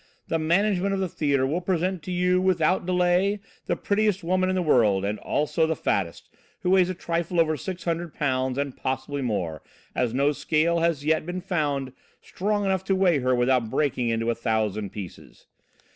The management of the theatre will present to you, without delay, the prettiest woman in the world and also the fattest, who weighs a trifle over 600 pounds and possibly more; as no scale has yet been found strong enough to weigh her without breaking into a thousand pieces.